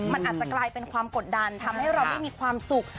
มันอาจจะกลายเป็นความกดดันทำให้เราไม่มีความสุข